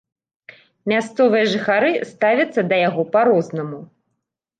Мясцовыя жыхары ставяцца да яго па-рознаму.